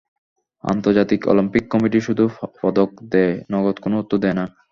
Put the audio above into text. আন্তর্জাতিক Olympic committee শুধু পদক দেয়, নগদ কোনো অর্থ দেয় না।